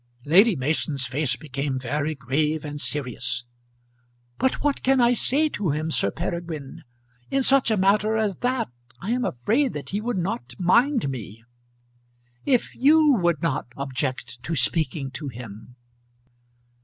Lady Mason's face became very grave and serious. "But what can I say to him, Sir Peregrine? In such a matter as that I am afraid that he would not mind me. If you would not object to speaking to him?"